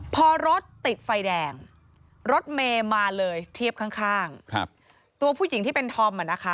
พอรถติดไฟแดงรถเมย์มาเลยเทียบข้างข้างตัวผู้หญิงที่เป็นธอมอ่ะนะคะ